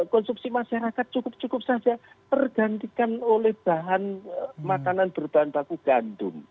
konsumsi masyarakat cukup cukup saja tergantikan oleh bahan makanan berbahan baku gandum